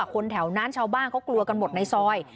คนแถวนั้นชาวบ้านเขากลัวกันหมดในซอย